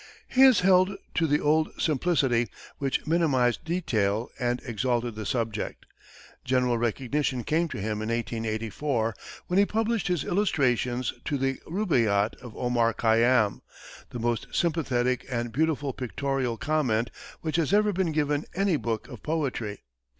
He has held to the old simplicity, which minimized detail and exalted the subject. General recognition came to him in 1884, when he published his illustrations to the Rubaiyat of Omar Khayyam the most sympathetic and beautiful pictorial comment which has ever been given any book of poetry.